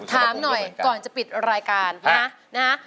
ถามหน่อยก่อนจะปิดรายการนะฮะ